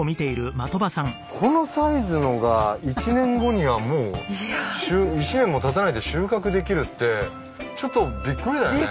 このサイズのが１年後にはもう１年も経たないで収穫できるってちょっとびっくりだね。